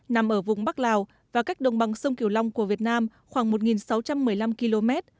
nằm ở vùng bắc lào và cách đồng bằng sông kiều long của việt nam khoảng một sáu trăm một mươi năm km